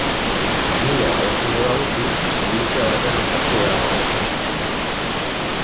Familia babestu nahi baduzu, milizia batean sartu beharra daukazu.